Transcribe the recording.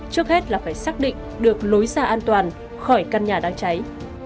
trước hết là phải xác định được lối xa an toàn khỏi căn nhà đang cháy